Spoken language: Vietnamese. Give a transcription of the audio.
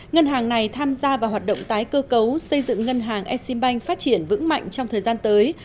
ngân hàng này tham gia vào hoạt động tái cơ cấu xây dựng ngân hàng exim bank phát triển vững mạnh trong thời gian tới